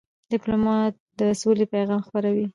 ډيپلومات د سولې پیغام خپروي.